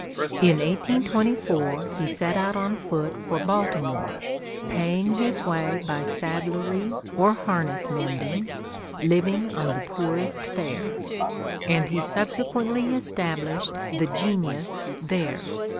In 1824 he set out on foot for Baltimore, paying his way by saddlery or harness mending, living on the poorest fare; and he subsequently established the "Genius" there.